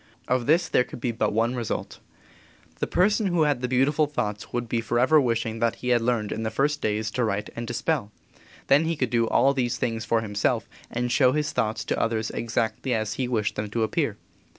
Of this there could be but one result. The person who had the beautiful thoughts would be forever wishing that he had learned in the first days to write and to spell. Then he could do all these things for himself and show his thoughts to others exactly as he wished them to appear.